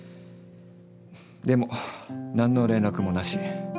でも何の連絡もなし。